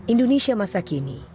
indonesia masa kini